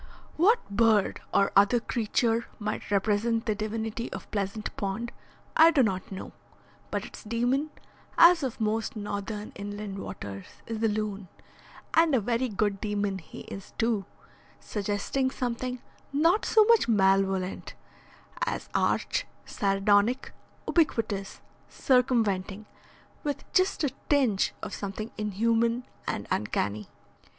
What bird or other creature might represent the divinity of Pleasant Pond I do not know, but its demon, as of most northern inland waters, is the loon, and a very good demon he is too, suggesting something not so much malevolent, as arch, sardonic, ubiquitous, circumventing, with just a tinge of something inhuman and uncanny.